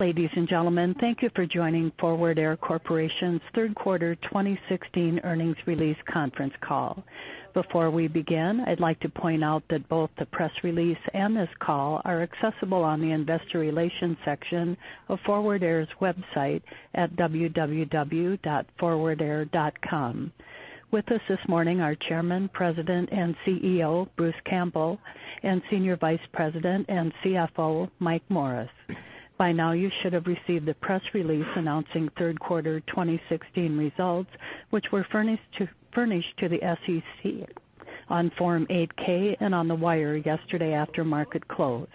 Ladies and gentlemen, thank you for joining Forward Air Corporation's third quarter 2016 earnings release conference call. Before we begin, I'd like to point out that both the press release and this call are accessible on the investor relations section of forwardair.com. With us this morning are Chairman, President, and CEO, Bruce Campbell, and Senior Vice President and CFO, Mike Morris. By now, you should have received the press release announcing third quarter 2016 results, which were furnished to the SEC on Form 8-K and on the wire yesterday after market close.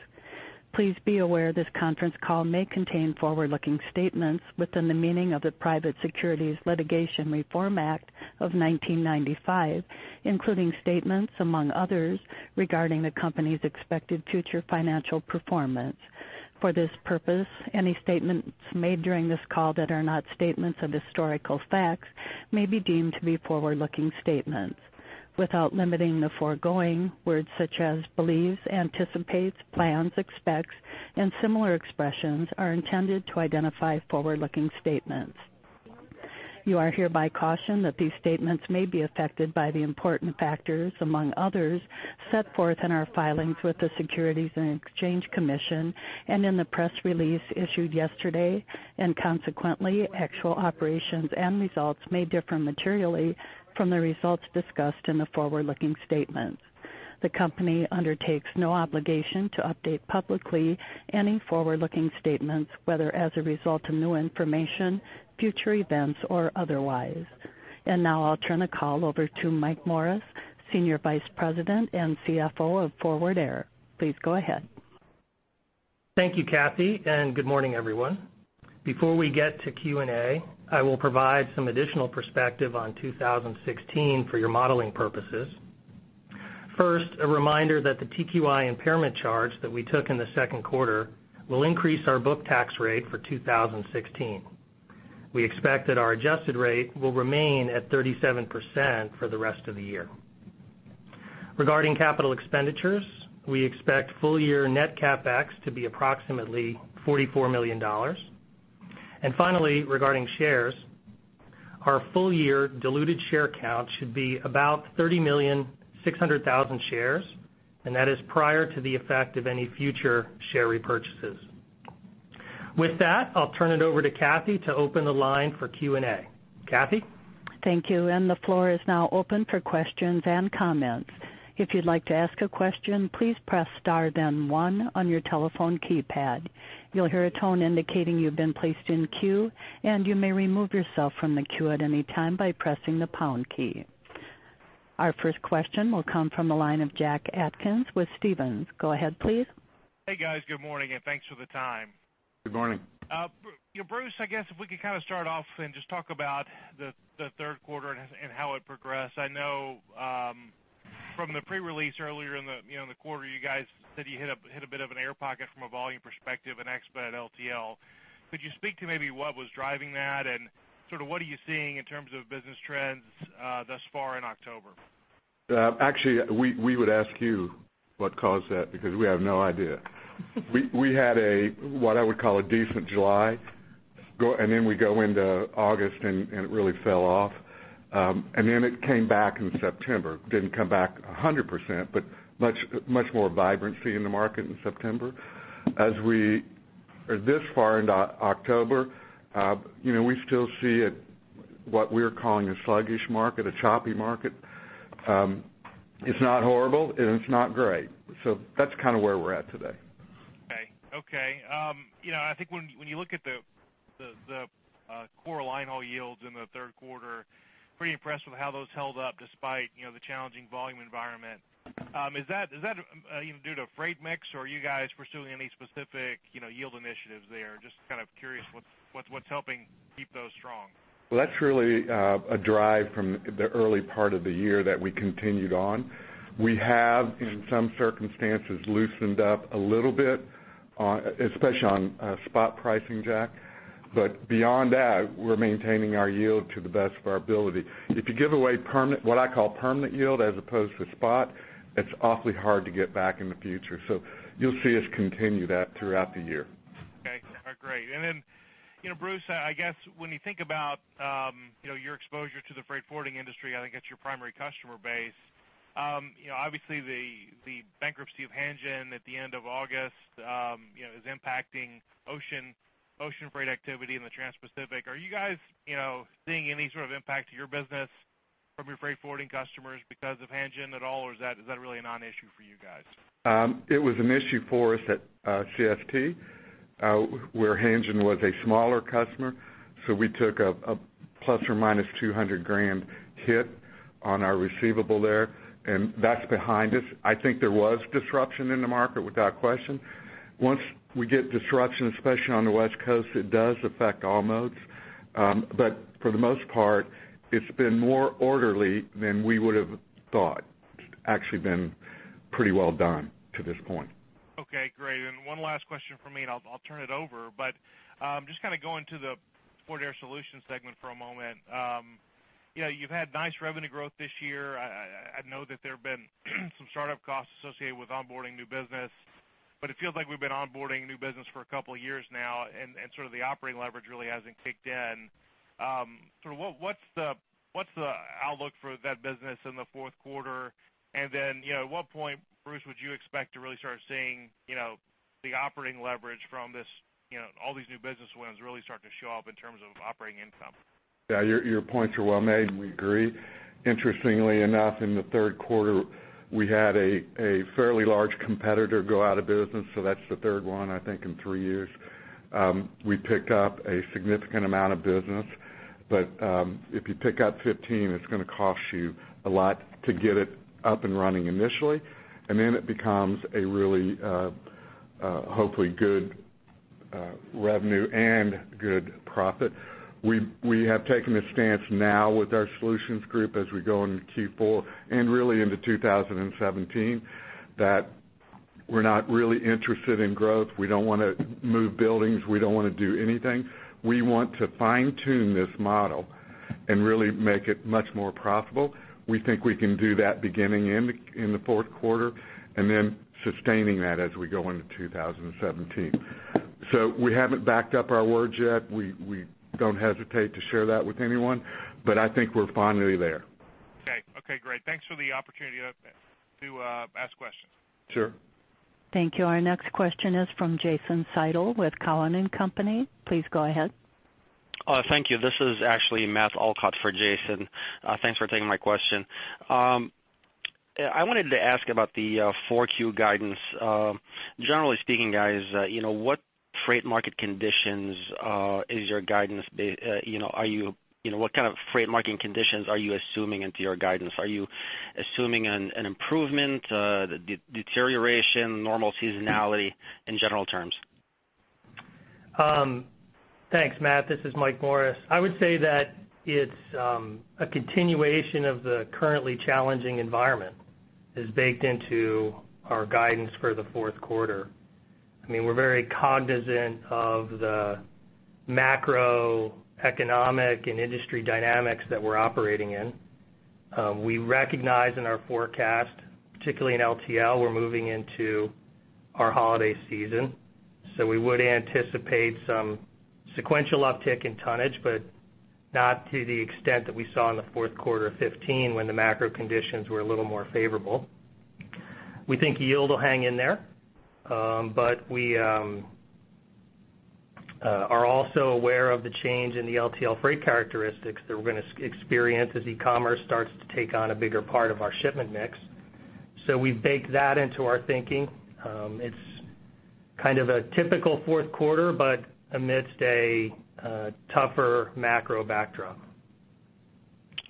Please be aware, this conference call may contain forward-looking statements within the meaning of the Private Securities Litigation Reform Act of 1995, including statements, among others, regarding the company's expected future financial performance. For this purpose, any statements made during this call that are not statements of historical facts may be deemed to be forward-looking statements. Without limiting the foregoing, words such as believes, anticipates, plans, expects, and similar expressions are intended to identify forward-looking statements. You are hereby cautioned that these statements may be affected by the important factors, among others, set forth in our filings with the Securities and Exchange Commission and in the press release issued yesterday, and consequently, actual operations and results may differ materially from the results discussed in the forward-looking statements. The company undertakes no obligation to update publicly any forward-looking statements, whether as a result of new information, future events, or otherwise. Now I'll turn the call over to Mike Morris, Senior Vice President and CFO of Forward Air. Please go ahead. Thank you, Kathy, and good morning, everyone. Before we get to Q&A, I will provide some additional perspective on 2016 for your modeling purposes. First, a reminder that the TQI impairment charge that we took in the second quarter will increase our book tax rate for 2016. We expect that our adjusted rate will remain at 37% for the rest of the year. Regarding capital expenditures, we expect full-year net CapEx to be approximately $44 million. Finally, regarding shares, our full-year diluted share count should be about 30,600,000 shares, and that is prior to the effect of any future share repurchases. With that, I'll turn it over to Kathy to open the line for Q&A. Kathy? Thank you. The floor is now open for questions and comments. If you'd like to ask a question, please press star then one on your telephone keypad. You'll hear a tone indicating you've been placed in queue, and you may remove yourself from the queue at any time by pressing the pound key. Our first question will come from the line of Jack Atkins with Stephens. Go ahead, please. Hey, guys. Good morning, and thanks for the time. Good morning. Bruce, I guess if we could start off and just talk about the third quarter and how it progressed. I know from the pre-release earlier in the quarter, you guys said you hit a bit of an air pocket from a volume perspective in Expedited LTL. Could you speak to maybe what was driving that, and what are you seeing in terms of business trends thus far in October? Actually, we would ask you what caused that because we have no idea. We had a, what I would call a decent July. We go into August, and it really fell off. It came back in September. Didn't come back 100%, but much more vibrancy in the market in September. As we are this far into October, we still see what we're calling a sluggish market, a choppy market. It's not horrible, and it's not great. That's where we're at today. Okay. I think when you look at the core line haul yields in the third quarter, pretty impressed with how those held up despite the challenging volume environment. Is that due to freight mix, or are you guys pursuing any specific yield initiatives there? Just curious what's helping keep those strong. Well, that's really a drive from the early part of the year that we continued on. We have, in some circumstances, loosened up a little bit, especially on spot pricing, Jack. Beyond that, we're maintaining our yield to the best of our ability. If you give away what I call permanent yield as opposed to spot, it's awfully hard to get back in the future. You'll see us continue that throughout the year. Okay. Great. Bruce, I guess when you think about your exposure to the freight forwarding industry, I think that's your primary customer base. Obviously, the bankruptcy of Hanjin at the end of August is impacting ocean freight activity in the Transpacific. Are you guys seeing any sort of impact to your business from your freight forwarding customers because of Hanjin at all, or is that really a non-issue for you guys? It was an issue for us at CFT, where Hanjin was a smaller customer, so we took a ±$200,000 hit on our receivable there, and that's behind us. I think there was disruption in the market, without question. Once we get disruption, especially on the West Coast, it does affect all modes. For the most part, it's been more orderly than we would have thought. It's actually been pretty well done to this point. Okay, great. One last question from me, and I'll turn it over. Just going to the Forward Air Solutions segment for a moment. You've had nice revenue growth this year. I know that there have been some startup costs associated with onboarding new business, but it feels like we've been onboarding new business for a couple of years now, and the operating leverage really hasn't kicked in. What's the outlook for that business in the fourth quarter? At what point, Bruce, would you expect to really start seeing the operating leverage from all these new business wins really start to show up in terms of operating income? Yeah, your points are well made, and we agree. Interestingly enough, in the third quarter, we had a fairly large competitor go out of business, so that's the third one, I think, in three years. We picked up a significant amount of business, but if you pick up 15, it's going to cost you a lot to get it up and running initially, and then it becomes a really, hopefully, good revenue and good profit. We have taken a stance now with our solutions group as we go into Q4, and really into 2017, that we're not really interested in growth. We don't want to move buildings. We don't want to do anything. We want to fine-tune this model and really make it much more profitable. We think we can do that beginning in the fourth quarter and then sustaining that as we go into 2017. We haven't backed up our words yet. We don't hesitate to share that with anyone, but I think we're finally there. Okay, great. Thanks for the opportunity to ask questions. Sure. Thank you. Our next question is from Jason Seidl with Cowen and Company. Please go ahead. Thank you. This is actually Matt Elkott for Jason. Thanks for taking my question. I wanted to ask about the 4Q guidance. Generally speaking, guys, what kind of freight market conditions are you assuming into your guidance? Are you assuming an improvement, deterioration, normal seasonality, in general terms? Thanks, Matt. This is Mike Morris. I would say that it's a continuation of the currently challenging environment is baked into our guidance for the fourth quarter. We're very cognizant of the macroeconomic and industry dynamics that we're operating in. We recognize in our forecast, particularly in LTL, we're moving into our holiday season. We would anticipate some sequential uptick in tonnage, not to the extent that we saw in the fourth quarter of 2015 when the macro conditions were a little more favorable. We think yield will hang in there. We are also aware of the change in the LTL freight characteristics that we're going to experience as e-commerce starts to take on a bigger part of our shipment mix. We bake that into our thinking. It's a typical fourth quarter, amidst a tougher macro backdrop.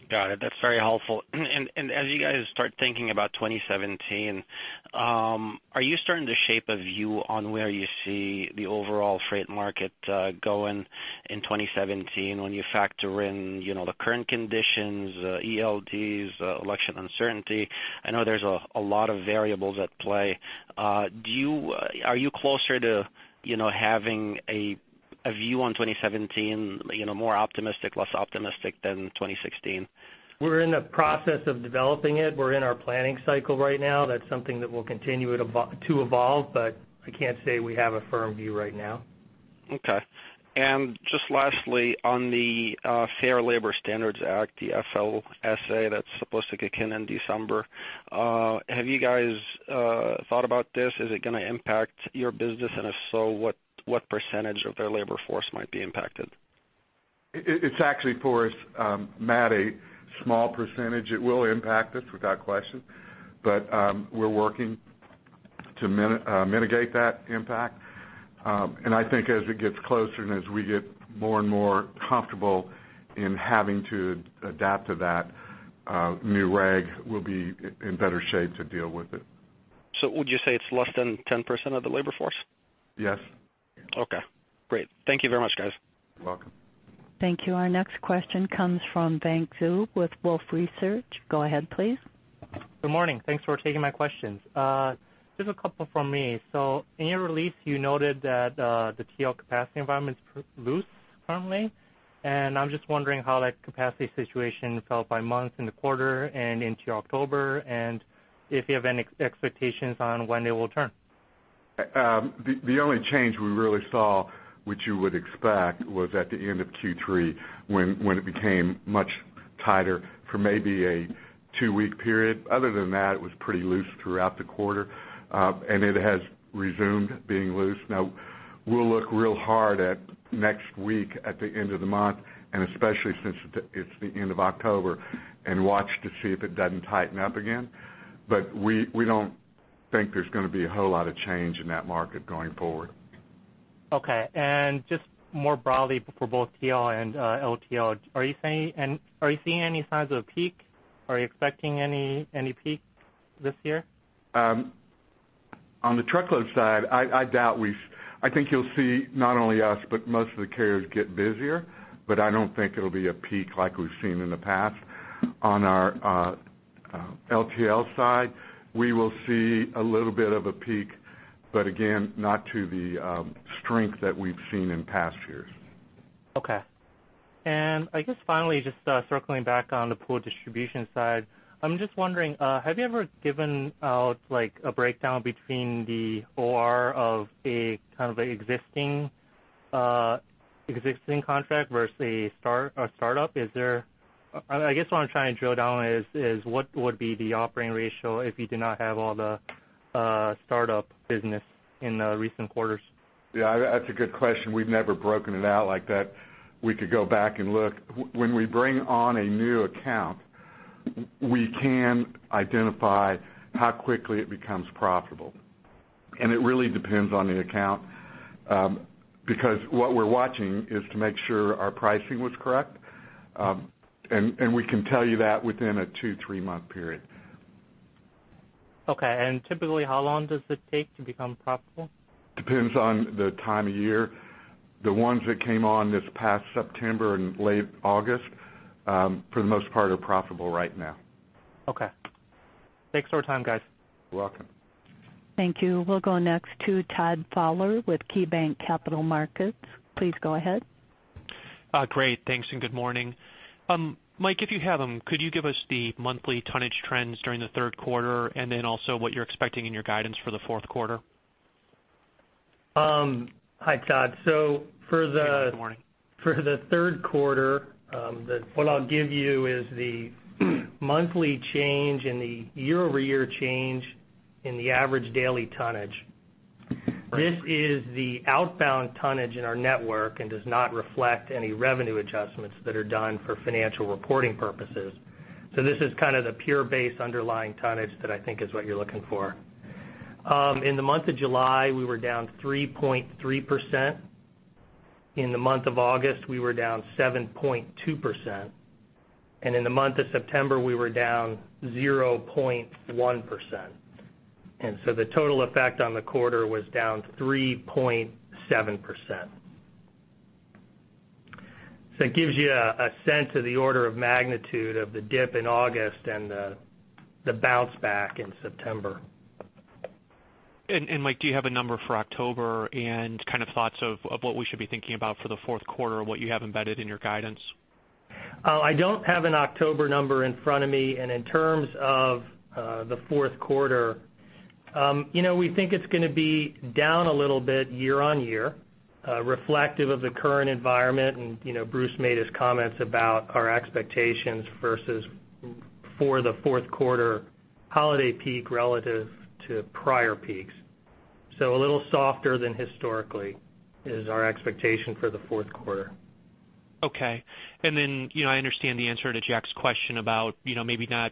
Got it. That's very helpful. As you guys start thinking about 2017, are you starting to shape a view on where you see the overall freight market going in 2017 when you factor in the current conditions, ELDs, election uncertainty? I know there's a lot of variables at play. Are you closer to having a view on 2017, more optimistic, less optimistic than 2016? We're in the process of developing it. We're in our planning cycle right now. That's something that will continue to evolve, but I can't say we have a firm view right now. Okay. Just lastly, on the Fair Labor Standards Act, the FLSA, that's supposed to kick in in December, have you guys thought about this? Is it going to impact your business? If so, what % of their labor force might be impacted? It's actually for us, Matt, a small %. It will impact us without question. We're working to mitigate that impact. I think as it gets closer and as we get more and more comfortable in having to adapt to that new reg, we'll be in better shape to deal with it. Would you say it's less than 10% of the labor force? Yes. Okay, great. Thank you very much, guys. You're welcome. Thank you. Our next question comes from Veng Zhu with Wolfe Research. Go ahead, please. Good morning. Thanks for taking my questions. Just a couple from me. In your release, you noted that the TL capacity environment is loose currently, and I'm just wondering how that capacity situation felt by month in the quarter and into October, and if you have any expectations on when it will turn. The only change we really saw, which you would expect, was at the end of Q3 when it became much tighter for maybe a two-week period. Other than that, it was pretty loose throughout the quarter. It has resumed being loose. We'll look real hard at next week at the end of the month, and especially since it's the end of October, and watch to see if it doesn't tighten up again. We don't think there's going to be a whole lot of change in that market going forward. Okay. Just more broadly for both TL and LTL, are you seeing any signs of a peak? Are you expecting any peak this year? On the truckload side, I think you'll see not only us, but most of the carriers get busier, but I don't think it'll be a peak like we've seen in the past. On our LTL side, we will see a little bit of a peak, but again, not to the strength that we've seen in past years. Okay. I guess finally, just circling back on the pool distribution side, I'm just wondering, have you ever given out a breakdown between the OR of a kind of existing contract versus a startup? I guess what I'm trying to drill down is, what would be the operating ratio if you do not have all the startup business in the recent quarters? Yeah, that's a good question. We've never broken it out like that. We could go back and look. When we bring on a new account, we can identify how quickly it becomes profitable. It really depends on the account, because what we're watching is to make sure our pricing was correct. We can tell you that within a two, three-month period. Okay. Typically, how long does it take to become profitable? Depends on the time of year. The ones that came on this past September and late August, for the most part, are profitable right now. Okay. Thanks for your time, guys. You're welcome. Thank you. We'll go next to Todd Fowler with KeyBanc Capital Markets. Please go ahead. Great. Thanks, and good morning. Mike, if you have them, could you give us the monthly tonnage trends during the third quarter and then also what you're expecting in your guidance for the fourth quarter? Hi, Todd. Good morning. For the third quarter, what I'll give you is the monthly change and the year-over-year change in the average daily tonnage. Right. This is the outbound tonnage in our network and does not reflect any revenue adjustments that are done for financial reporting purposes. This is kind of the pure base underlying tonnage that I think is what you're looking for. In the month of July, we were down 3.3%. In the month of August, we were down 7.2%. In the month of September, we were down 0.1%. The total effect on the quarter was down 3.7%. It gives you a sense of the order of magnitude of the dip in August and the bounce back in September. Mike, do you have a number for October and kind of thoughts of what we should be thinking about for the fourth quarter, what you have embedded in your guidance? I don't have an October number in front of me. In terms of the fourth quarter, we think it's going to be down a little bit year-over-year, reflective of the current environment. Bruce made his comments about our expectations versus for the fourth quarter holiday peak relative to prior peaks. A little softer than historically is our expectation for the fourth quarter. Okay. I understand the answer to Jack's question about maybe not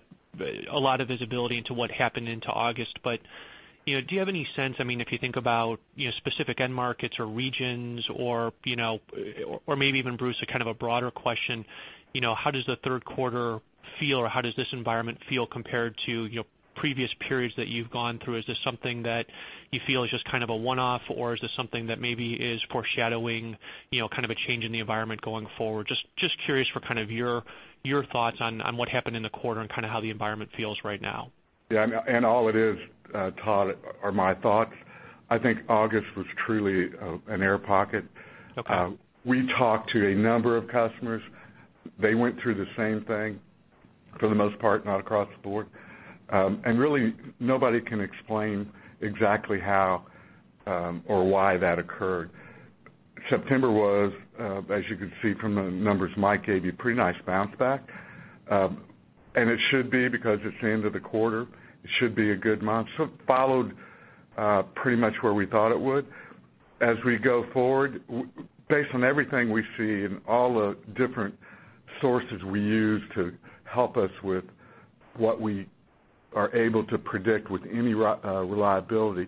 a lot of visibility into what happened into August. Do you have any sense, if you think about specific end markets or regions or maybe even Bruce, a kind of a broader question, how does the third quarter feel or how does this environment feel compared to your previous periods that you've gone through? Is this something that you feel is just kind of a one-off or is this something that maybe is foreshadowing a change in the environment going forward? Just curious for your thoughts on what happened in the quarter and how the environment feels right now. Yeah. All it is, Todd, are my thoughts. I think August was truly an air pocket. Okay. We talked to a number of customers. They went through the same thing for the most part, not across the board. Really, nobody can explain exactly how or why that occurred. September was, as you can see from the numbers Mike gave you, pretty nice bounce back. It should be because it's the end of the quarter. It should be a good month. It followed pretty much where we thought it would. As we go forward, based on everything we see and all the different sources we use to help us with what we are able to predict with any reliability,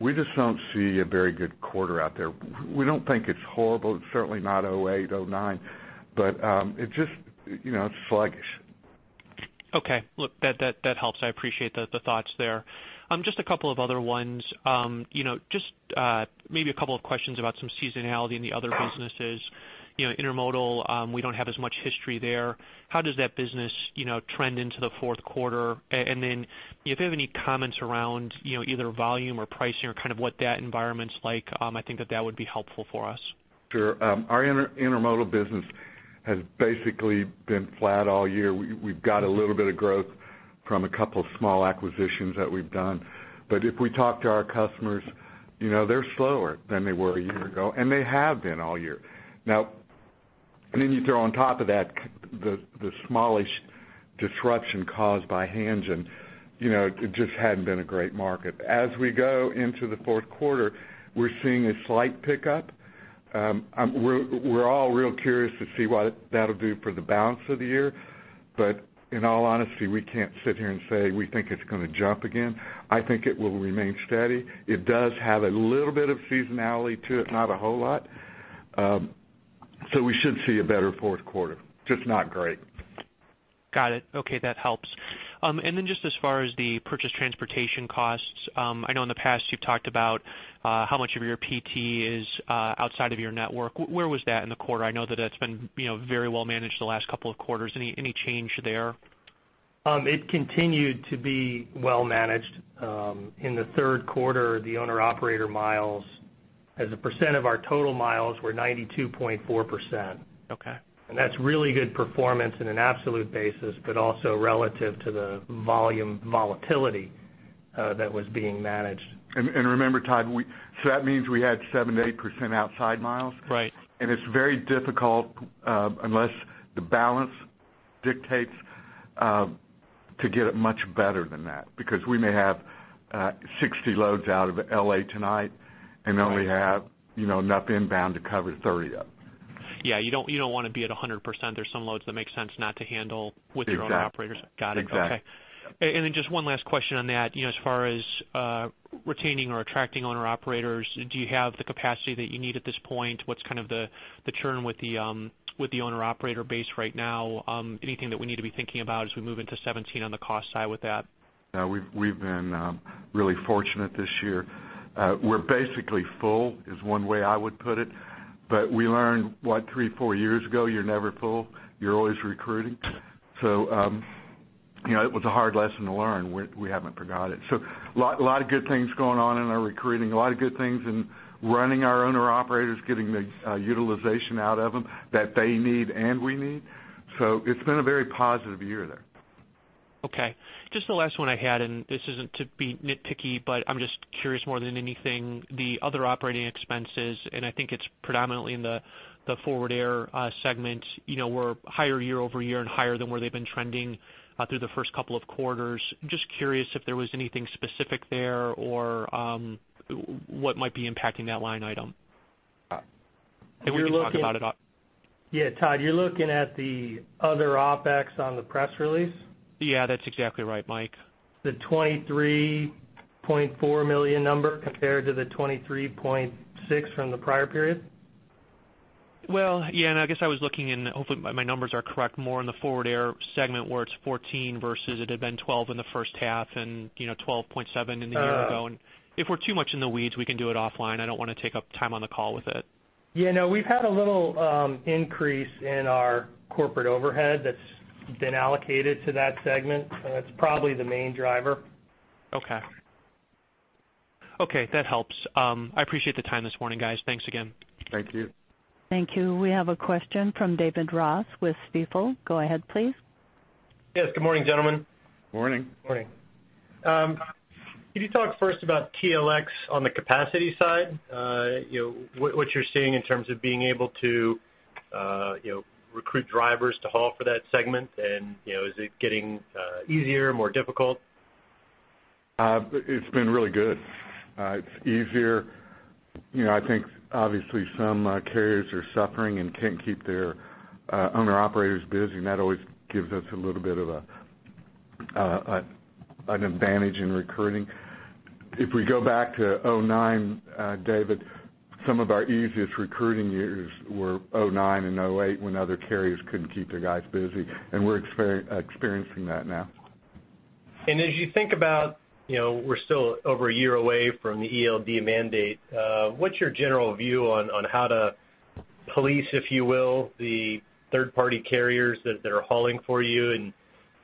we just don't see a very good quarter out there. We don't think it's horrible. It's certainly not 2008, 2009, but it's sluggish. Okay. Look, that helps. I appreciate the thoughts there. Just a couple of other ones. Just maybe a couple of questions about some seasonality in the other businesses. Intermodal, we don't have as much history there. How does that business trend into the fourth quarter? If you have any comments around either volume or pricing or kind of what that environment's like, I think that that would be helpful for us. Sure. Our Intermodal business has basically been flat all year. We've got a little bit of growth from a couple of small acquisitions that we've done. If we talk to our customers, they're slower than they were a year ago, and they have been all year. You throw on top of that the smallish disruption caused by Hanjin. It just hadn't been a great market. We go into the fourth quarter, we're seeing a slight pickup. We're all real curious to see what that'll do for the balance of the year. In all honesty, we can't sit here and say we think it's going to jump again. I think it will remain steady. It does have a little bit of seasonality to it, not a whole lot. We should see a better fourth quarter, just not great. Got it. Okay, that helps. Just as far as the purchase transportation costs, I know in the past you've talked about how much of your PT is outside of your network. Where was that in the quarter? I know that's been very well managed the last couple of quarters. Any change there? It continued to be well managed. In the third quarter, the owner operator miles as a % of our total miles were 92.4%. Okay. That's really good performance in an absolute basis, but also relative to the volume volatility that was being managed. Remember, Todd, so that means we had 7%-8% outside miles. Right. It's very difficult, unless the balance dictates, to get it much better than that, because we may have 60 loads out of L.A. tonight, and then we have nothing bound to cover 30 of them. Yeah, you don't want to be at 100%. There's some loads that make sense not to handle with your own operators. Exactly. Got it. Okay. Exactly. Just one last question on that. As far as retaining or attracting owner-operators, do you have the capacity that you need at this point? What's the churn with the owner-operator base right now? Anything that we need to be thinking about as we move into 2017 on the cost side with that? No, we've been really fortunate this year. We're basically full is one way I would put it, but we learned, what, three, four years ago, you're never full. You're always recruiting. It was a hard lesson to learn. We haven't forgot it. A lot of good things going on in our recruiting, a lot of good things in running our owner-operators, getting the utilization out of them that they need and we need. It's been a very positive year there. Okay, just the last one I had, this isn't to be nitpicky, I'm just curious more than anything, the other operating expenses, I think it's predominantly in the Forward Air segment, were higher year-over-year and higher than where they've been trending through the first couple of quarters. Just curious if there was anything specific there or what might be impacting that line item. Yeah, Todd, you're looking at the other OPEX on the press release? Yeah, that's exactly right, Mike. The $23.4 million number compared to the $23.6 from the prior period? Well, yeah, I guess I was looking in, hopefully my numbers are correct, more in the Forward Air segment, where it's $14 versus it had been $12 in the first half and $12.7 in the year ago. If we're too much in the weeds, we can do it offline. I don't want to take up time on the call with it. Yeah, no, we've had a little increase in our corporate overhead that's been allocated to that segment. That's probably the main driver. Okay. Okay, that helps. I appreciate the time this morning, guys. Thanks again. Thank you. Thank you. We have a question from David Ross with Stifel. Go ahead, please. Yes, good morning, gentlemen. Morning. Morning. Can you talk first about TLX on the capacity side? What you're seeing in terms of being able to recruit drivers to haul for that segment? Is it getting easier, more difficult? It's been really good. It's easier. I think obviously some carriers are suffering and can't keep their owner-operators busy. That always gives us a little bit of an advantage in recruiting. If we go back to 2009, David, some of our easiest recruiting years were 2009 and 2008 when other carriers couldn't keep their guys busy. We're experiencing that now. As you think about, we're still over a year away from the ELD mandate, what's your general view on how to police, if you will, the third-party carriers that are hauling for you?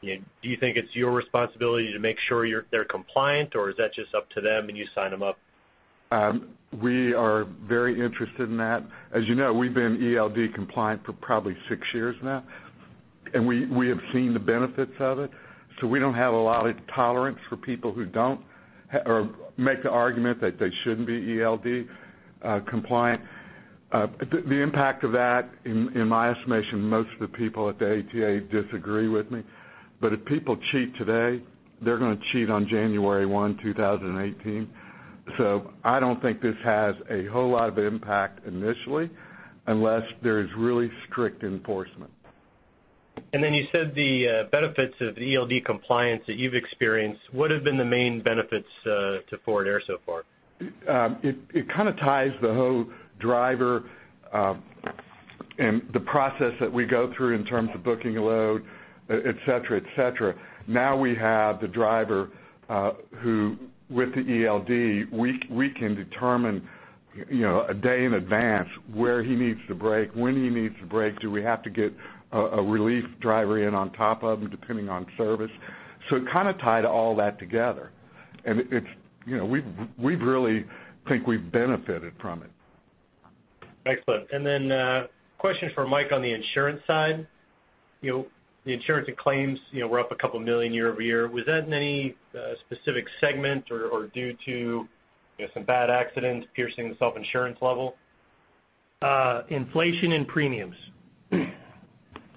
Do you think it's your responsibility to make sure they're compliant, or is that just up to them and you sign them up? We are very interested in that. As you know, we've been ELD compliant for probably six years now. We have seen the benefits of it. We don't have a lot of tolerance for people who don't or make the argument that they shouldn't be ELD compliant. The impact of that, in my estimation, most of the people at the ATA disagree with me, if people cheat today, they're going to cheat on January 1, 2018. I don't think this has a whole lot of impact initially unless there is really strict enforcement. You said the benefits of ELD compliance that you've experienced. What have been the main benefits to Forward Air so far? It ties the whole driver and the process that we go through in terms of booking a load, et cetera. Now we have the driver who, with the ELD, we can determine a day in advance where he needs to break, when he needs to break. Do we have to get a relief driver in on top of him, depending on service? It tied all that together. We really think we've benefited from it. Excellent. A question for Mike on the insurance side. The insurance and claims were up a couple million year-over-year. Was that in any specific segment or due to some bad accidents piercing the self-insurance level? Inflation in premiums.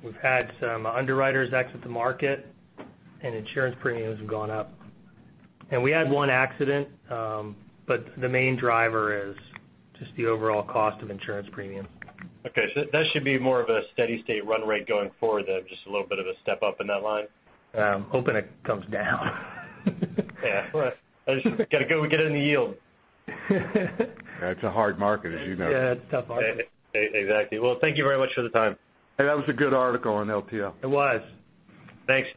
We've had some underwriters exit the market, and insurance premiums have gone up. We had one accident, but the main driver is just the overall cost of insurance premiums. Okay. That should be more of a steady state run rate going forward then, just a little bit of a step up in that line? I'm hoping it comes down. Yeah. Got to go and get it in the yield. That's a hard market, as you know. Yeah, it's a tough market. Exactly. Well, thank you very much for the time. Hey, that was a good article on LTL. It was. Thanks.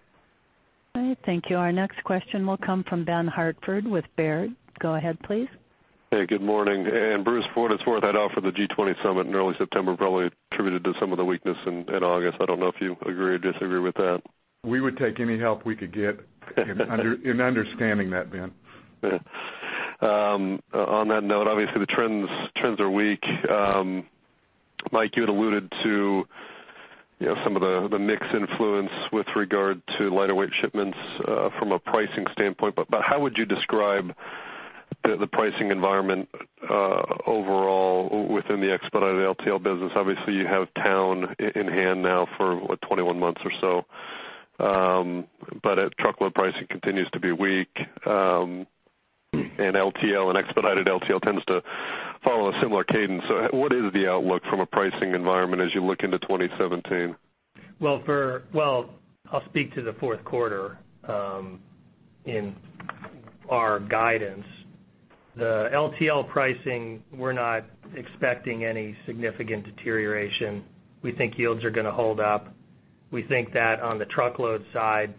All right, thank you. Our next question will come from Ben Hartford with Baird. Go ahead, please. Hey, good morning. Bruce, before it's worth, I'd offer the G20 summit in early September probably attributed to some of the weakness in August. I don't know if you agree or disagree with that. We would take any help we could get in understanding that, Ben. On that note, obviously, the trends are weak. Mike, you had alluded to some of the mix influence with regard to lighter weight shipments from a pricing standpoint. How would you describe the pricing environment overall within the Expedited LTL business? Obviously, you have Towne in hand now for what, 21 months or so. Truckload pricing continues to be weak and LTL and Expedited LTL tends to follow a similar cadence. What is the outlook from a pricing environment as you look into 2017? Well, I'll speak to the fourth quarter in our guidance. The LTL pricing, we're not expecting any significant deterioration. We think yields are going to hold up. We think that on the truckload side,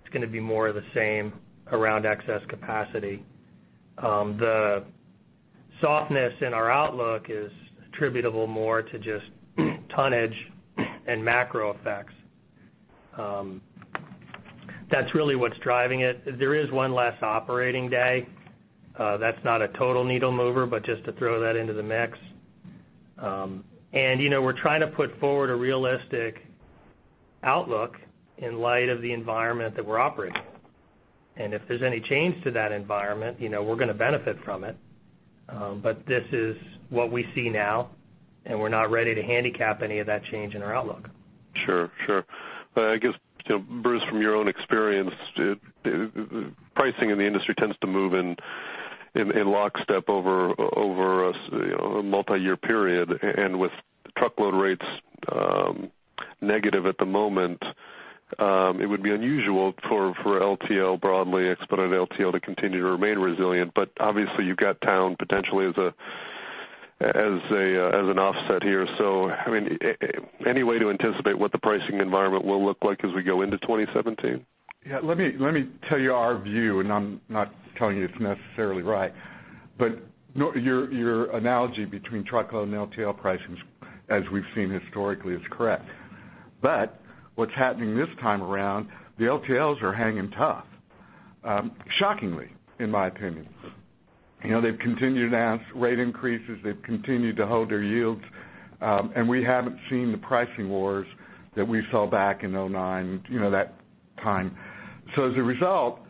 it's going to be more of the same around excess capacity. The softness in our outlook is attributable more to just tonnage and macro effects. That's really what's driving it. There is one less operating day. That's not a total needle mover, but just to throw that into the mix. We're trying to put forward a realistic outlook in light of the environment that we're operating in. If there's any change to that environment, we're going to benefit from it. This is what we see now, and we're not ready to handicap any of that change in our outlook. Sure. I guess, Bruce, from your own experience, pricing in the industry tends to move in lockstep over a multi-year period. With truckload rates negative at the moment, it would be unusual for LTL broadly, Expedited LTL to continue to remain resilient. Obviously, you've got Towne potentially as an offset here. Any way to anticipate what the pricing environment will look like as we go into 2017? Let me tell you our view. I'm not telling you it's necessarily right. Your analogy between truckload and LTL pricing, as we've seen historically, is correct. What's happening this time around, the LTLs are hanging tough. Shockingly, in my opinion. They've continued to ask rate increases, they've continued to hold their yields. We haven't seen the pricing wars that we saw back in 2009, that time. As a result,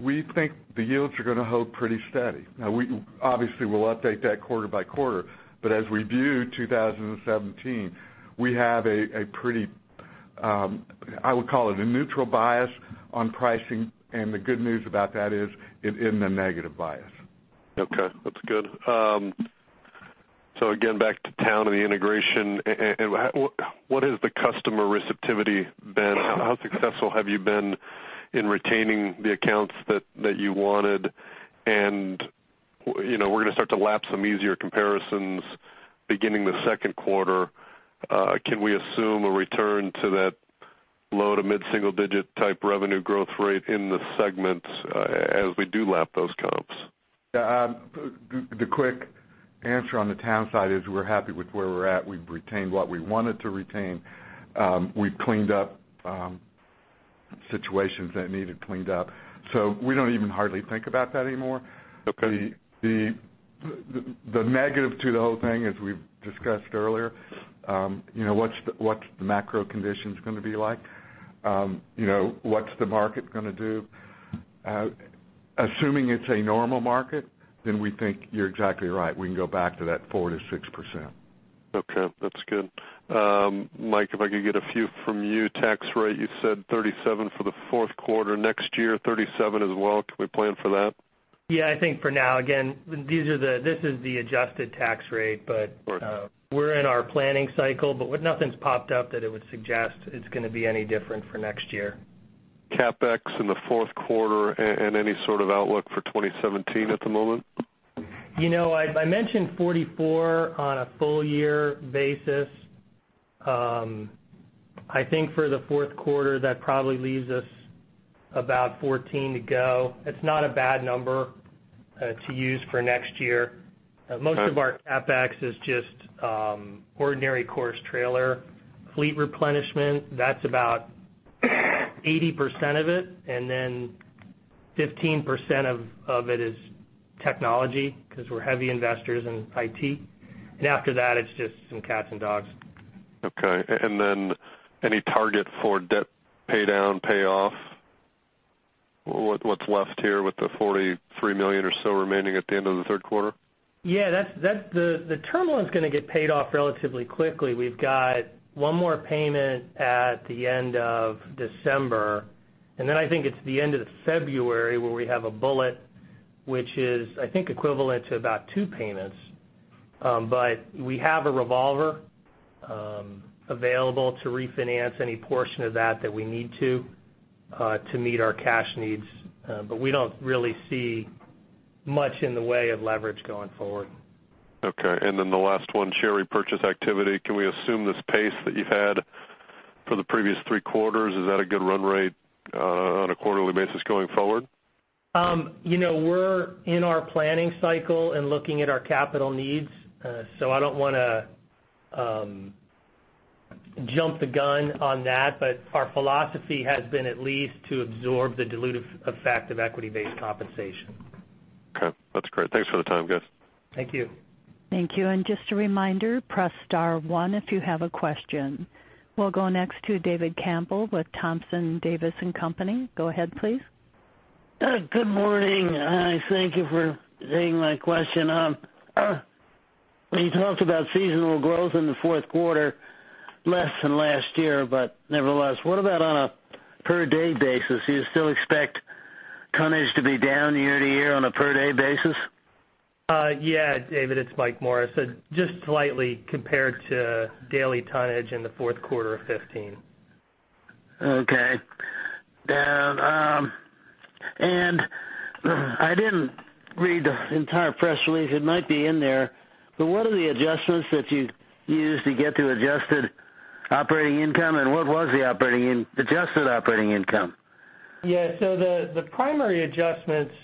we think the yields are going to hold pretty steady. We obviously will update that quarter by quarter. As we view 2017, we have a pretty, I would call it a neutral bias on pricing. The good news about that is it isn't a negative bias. Okay, that's good. Again, back to Towne and the integration. What has the customer receptivity been? How successful have you been in retaining the accounts that you wanted? We're going to start to lap some easier comparisons beginning the second quarter. Can we assume a return to that low to mid-single digit type revenue growth rate in the segments as we do lap those comps? The quick answer on the Towne side is we're happy with where we're at. We've retained what we wanted to retain. We've cleaned up situations that needed cleaned up. We don't even hardly think about that anymore. Okay. The negative to the whole thing, as we've discussed earlier, what's the macro conditions going to be like? What's the market going to do? Assuming it's a normal market, we think you're exactly right. We can go back to that 4%-6%. Okay, that's good. Mike, if I could get a few from you. Tax rate, you said 37 for the fourth quarter. Next year, 37 as well. Can we plan for that? Yeah, I think for now, again, this is the adjusted tax rate. Right We're in our planning cycle, but nothing's popped up that it would suggest it's going to be any different for next year. CapEx in the fourth quarter and any sort of outlook for 2017 at the moment? I mentioned 44 on a full year basis. I think for the fourth quarter, that probably leaves us about 14 to go. It's not a bad number to use for next year. Most of our CapEx is just ordinary course trailer fleet replenishment, that's about 80% of it, then 15% of it is technology because we're heavy investors in IT. After that, it's just some cats and dogs. Okay. Then any target for debt pay down, pay off? What's left here with the $43 million or so remaining at the end of the third quarter? Yeah. The terminal is going to get paid off relatively quickly. We've got one more payment at the end of December, then I think it's the end of February where we have a bullet, which is, I think, equivalent to about two payments. We have a revolver available to refinance any portion of that that we need to meet our cash needs. We don't really see much in the way of leverage going forward. Okay. Then the last one, share repurchase activity. Can we assume this pace that you've had for the previous three quarters, is that a good run rate on a quarterly basis going forward? We're in our planning cycle and looking at our capital needs. I don't want to jump the gun on that, but our philosophy has been at least to absorb the dilutive effect of equity-based compensation. Okay. That's great. Thanks for the time, guys. Thank you. Thank you. Just a reminder, press star one if you have a question. We'll go next to David Campbell with Thompson Davis & Co. Go ahead, please. Good morning. Thank you for taking my question. When you talked about seasonal growth in the fourth quarter, less than last year, but nevertheless, what about on a per day basis? Do you still expect tonnage to be down year-over-year on a per day basis? Yeah, David, it's Mike Morris. Just slightly compared to daily tonnage in the fourth quarter of 2015. Okay. I didn't read the entire press release. It might be in there, but what are the adjustments that you use to get to adjusted operating income, and what was the adjusted operating income? Yeah. The primary adjustments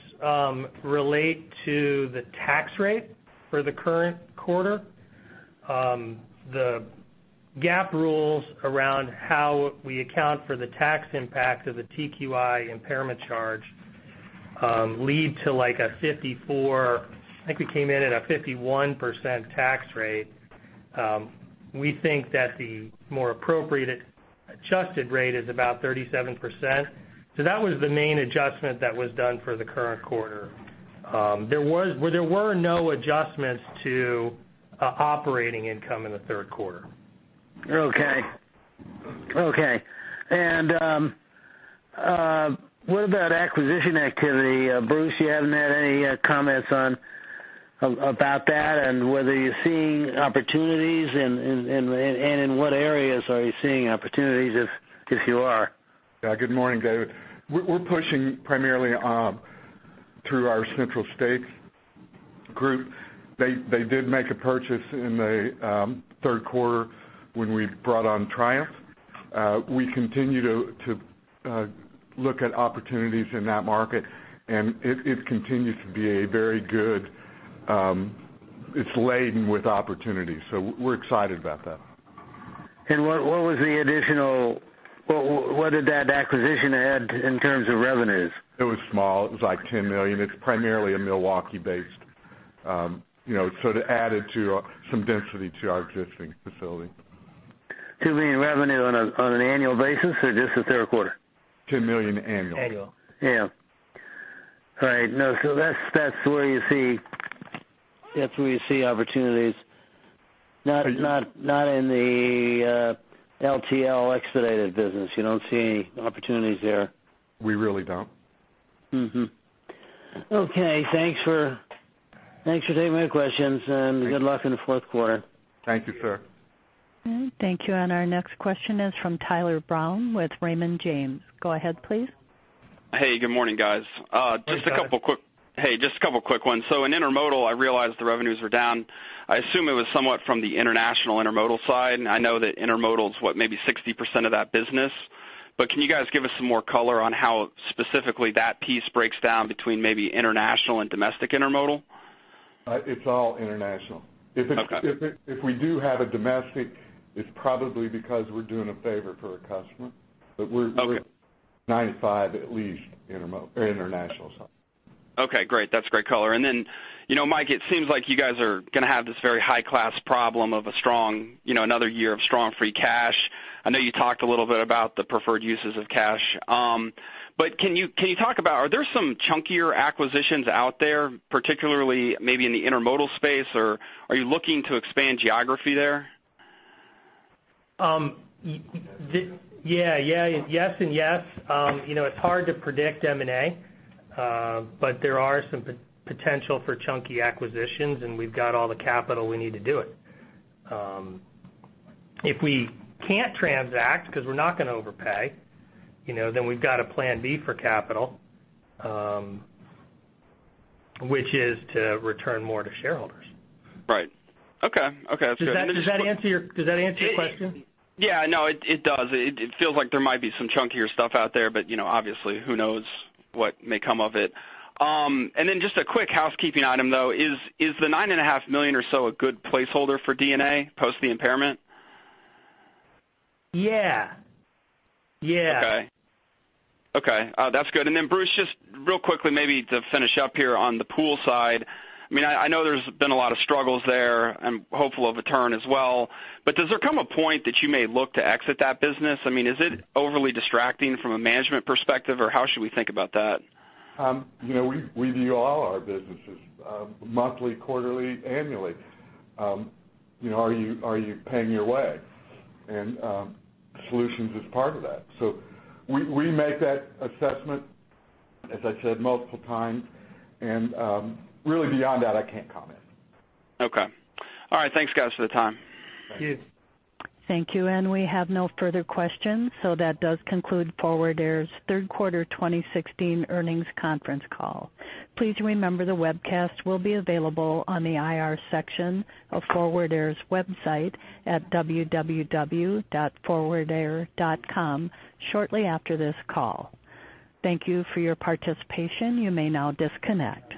relate to the tax rate for the current quarter. The GAAP rules around how we account for the tax impact of the TQI impairment charge lead to a 51% tax rate. We think that the more appropriate adjusted rate is about 37%. That was the main adjustment that was done for the current quarter. There were no adjustments to operating income in the third quarter. Okay. What about acquisition activity? Bruce, you haven't had any comments about that and whether you're seeing opportunities, and in what areas are you seeing opportunities if you are? Yeah, good morning, David. We're pushing primarily through our Central States group. They did make a purchase in the third quarter when we brought on Triumph. We continue to look at opportunities in that market. It's laden with opportunities. We're excited about that. What did that acquisition add in terms of revenues? It was small. It was like $10 million. It's primarily Milwaukee based. It added some density to our existing facility. $10 million revenue on an annual basis or just the third quarter? $10 million annual. Annual. That's where you see opportunities. Not in the LTL expedited business. You don't see any opportunities there? We really don't. Okay, thanks for taking my questions, and good luck in the fourth quarter. Thank you, sir. Thank you. Our next question is from Tyler Brown with Raymond James. Go ahead, please. Hey, good morning, guys. Good morning, Tyler. Hey, just a couple quick ones. In intermodal, I realize the revenues were down. I assume it was somewhat from the international intermodal side. I know that intermodal is, what, maybe 60% of that business. Can you guys give us some more color on how specifically that piece breaks down between maybe international and domestic intermodal? It's all international. Okay. If we do have a domestic, it's probably because we're doing a favor for a customer. Okay. We're 95 at least international. Okay, great. That's great color. Then, Mike, it seems like you guys are going to have this very high class problem of another year of strong free cash. I know you talked a little bit about the preferred uses of cash. Can you talk about, are there some chunkier acquisitions out there, particularly maybe in the intermodal space, or are you looking to expand geography there? Yes and yes. It's hard to predict M&A. There are some potential for chunky acquisitions, and we've got all the capital we need to do it. If we can't transact, because we're not going to overpay, then we've got a plan B for capital, which is to return more to shareholders. Right. Okay. That's good. Does that answer your question? Yeah. No, it does. It feels like there might be some chunkier stuff out there, but obviously, who knows what may come of it. Just a quick housekeeping item, though. Is the $9.5 million or so a good placeholder for D&A post the impairment? Yeah. Okay. That's good. Bruce, just real quickly, maybe to finish up here on the Pool side. I know there's been a lot of struggles there. I'm hopeful of a turn as well. Does there come a point that you may look to exit that business? Is it overly distracting from a management perspective, or how should we think about that? We view all our businesses monthly, quarterly, annually. Are you paying your way? Solutions is part of that. We make that assessment, as I said multiple times, and really beyond that, I can't comment. Okay. All right. Thanks, guys, for the time. Thank you. Thank you. Thank you. We have no further questions, that does conclude Forward Air's third quarter 2016 earnings conference call. Please remember the webcast will be available on the IR section of Forward Air's website at www.forwardair.com shortly after this call. Thank you for your participation. You may now disconnect.